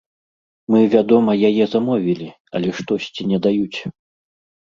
Мы, вядома, яе замовілі, але штосьці не даюць.